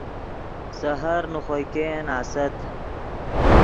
سحر نے خوئے ګئین آست